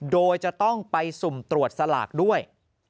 โดยจะต้องไปสุ่มตรวจสลากด้วย